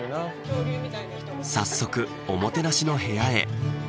早速おもてなしの部屋へ